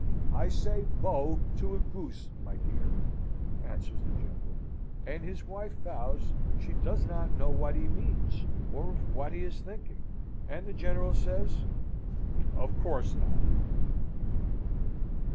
"I say 'Bo!' to a goose, my dear," answers the General. And his wife vows she does not know what he means, or of what he is thinking, and the General says "Of course not."